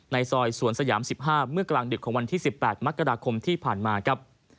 ซอยสวนสยาม๑๕เมื่อกลางดึกของวันที่๑๘มกราคมที่ผ่านมาครับ